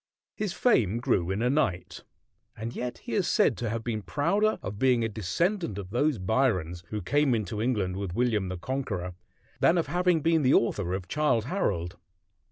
His fame grew in a night. And yet he is said to have been prouder of being a descendant of those Byrons who came into England with William the Conqueror than of having been the author of "Childe Harold."